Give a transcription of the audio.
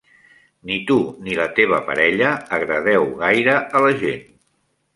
Ni tu ni la teva parella agradeu gaire a la gent.